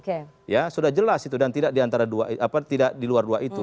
karena itu sudah jelas itu dan tidak di antara dua apa tidak di luar dua itu